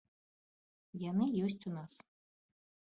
Яны ёсць у нас.